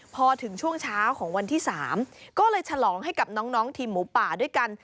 พอถึงช่วงเช้าของวันที่๓ก็เลยฉลองให้กับน้องทีมหมูป่าด้วยกัน